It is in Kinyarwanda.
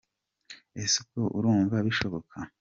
Ese ubwo urumva bishoboka?